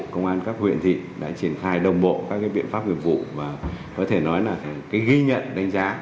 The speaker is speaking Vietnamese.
công an các huyện thị đã triển khai đồng bộ các biện pháp nghiệp vụ và có thể nói là ghi nhận đánh giá